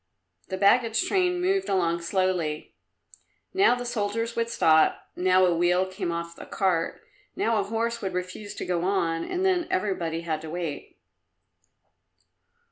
The baggage train moved along slowly; now the soldiers would stop, now a wheel came off a cart, now a horse would refuse to go on, and then everybody had to wait.